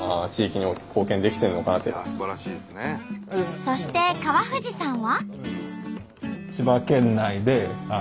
そして川藤さんは。